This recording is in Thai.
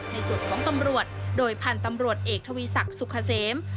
ในส่วนของตำรวจโดยพันธุ์ตำรวจเอกทวีศักดิ์สุขเกษม